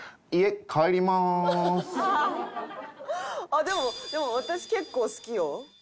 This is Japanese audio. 「あっでも私結構好きよ」